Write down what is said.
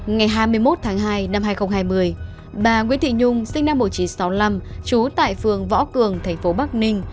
ngày hai mươi một tháng hai năm hai nghìn hai mươi bà nguyễn thị nhung sinh năm một nghìn chín trăm sáu mươi năm trú tại phường võ cường thành phố bắc ninh